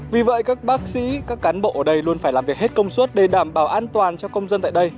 vì vậy các bác sĩ các cán bộ ở đây luôn phải làm việc hết công suất để đảm bảo an toàn cho công dân tại đây